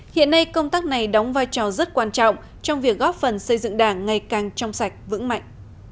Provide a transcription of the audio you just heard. hiện nay công tác này đóng vai trò rất quan trọng trong việc góp phần xây dựng đảng ngày càng trong sạch vững mạnh